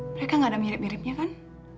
mereka nggak ada mirip miripnya kan